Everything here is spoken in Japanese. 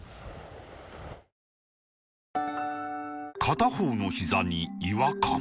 片方のひざに違和感